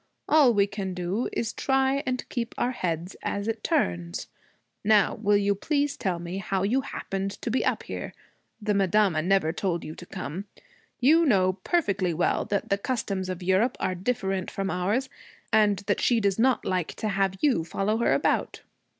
All we can do is try and keep our heads as it turns. Now, will you please tell me how you happened to be up here? The madama never told you to come. You know perfectly well that the customs of Europe are different from ours, and that she does not like to have you follow her about.'